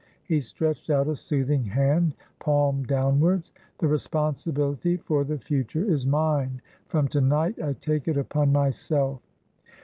He stretched out a soothing hand, palm downwards. "The responsibility for the future is mine; from to night I take it upon myself."